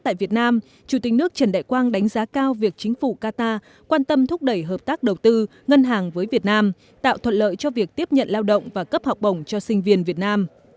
tiếp đại quang đánh giá cao việc chính phủ qatar quan tâm thúc đẩy hợp tác đầu tư ngân hàng với việt nam tạo thuận lợi cho việc tiếp nhận lao động và cấp học bổng cho sinh viên việt nam